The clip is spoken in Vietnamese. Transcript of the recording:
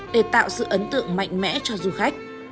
để tạo sự ấn tượng mạnh mẽ cho du khách